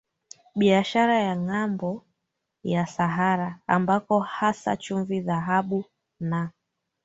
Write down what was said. biashara ya ngambo ya Sahara ambako hasa chumvi dhahabu na